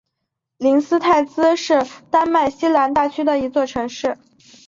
灵斯泰兹是丹麦西兰大区的一座城市。